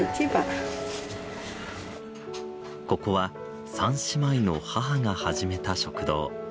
ここは三姉妹の母が始めた食堂。